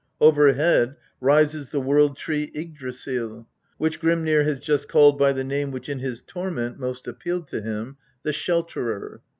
Overhead rises the World tree Yggdrasil, which Grimnir has just called by the name which in his torment most appealed to him the Shelterer.